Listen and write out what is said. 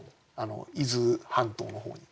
伊豆半島の方に。